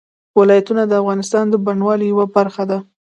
ولایتونه د افغانستان د بڼوالۍ یوه برخه ده.